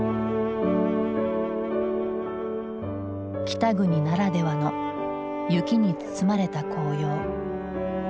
北国ならではの雪に包まれた紅葉。